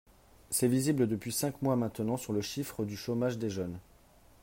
C’est visible depuis cinq mois maintenant sur le chiffre du chômage des jeunes.